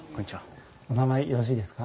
お名前よろしいですか？